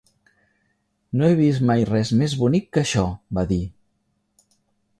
"No he vist mai res més bonic que això", va dir.